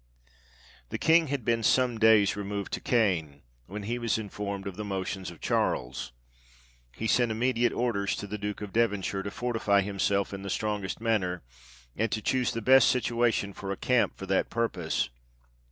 The King had been some days removed to Caen, when he was informed of the motions of Charles. He sent immediate orders to the Duke of Devonshire, to fortify himself in the strongest manner, and to choose the best situation for a camp for that purpose.